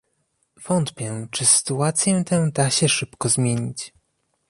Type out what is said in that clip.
Wątpię, czy sytuację tę da się szybko zmienić